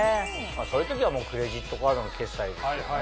そういう時はクレジットカードの決済ですよね。